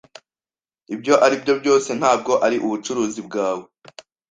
Ibyo ari byo byose, ntabwo ari ubucuruzi bwawe.